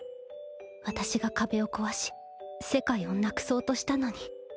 私が壁を壊し世界をなくそうとしたのに。